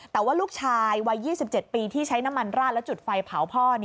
แต่ว่าลูกชายวัย๒๗ปีที่ใช้น้ำมันราดและจุดไฟเผาพ่อ